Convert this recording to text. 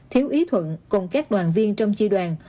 thiếu ý thuận cùng các đoàn viên trong chi đoàn